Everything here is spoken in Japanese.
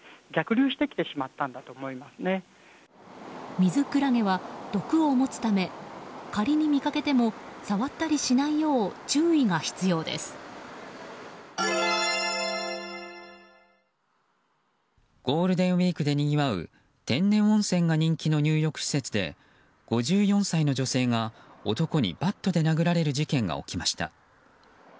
ミズクラゲは、毒を持つため仮に見かけても触ったりしないようゴールデンウィークでにぎわう天然温泉が人気の入浴施設で５４歳の女性が男にバットで殴られる事件が起きました。